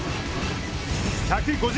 １５０